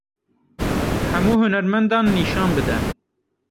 Hemû hunermendan nîşan bide.